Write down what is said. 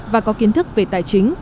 và có kiến thức về tài chính